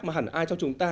mà hẳn ai trong chúng ta